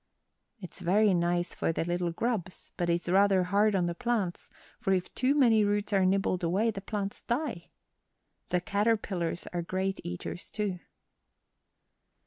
"It's very nice for the little grubs, but it's rather hard on the plants, for if too many roots are nibbled away the plants die. The caterpillars are great eaters, too."